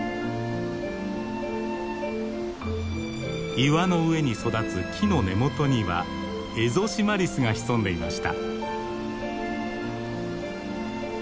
岩の上に育つ木の根元にはエゾシマリスが潜んでいました。